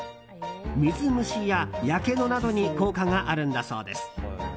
水虫ややけどなどに効果があるんだそうです。